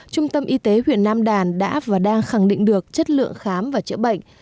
trung tâm y tế huyện nam đàn đã và đang khẳng định được chất lượng khám và chữa bệnh